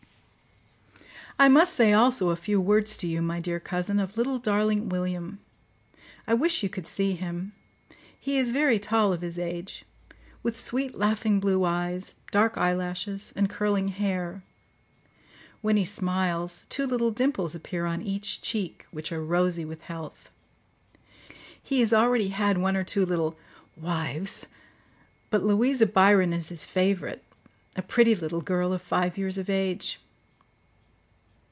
"I must say also a few words to you, my dear cousin, of little darling William. I wish you could see him; he is very tall of his age, with sweet laughing blue eyes, dark eyelashes, and curling hair. When he smiles, two little dimples appear on each cheek, which are rosy with health. He has already had one or two little wives, but Louisa Biron is his favourite, a pretty little girl of five years of age.